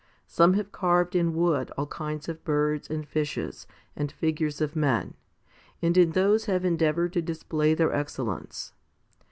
Some have carved in wood all kinds of birds and fishes, and figures of men, and in those have endeavoured to display their excellence.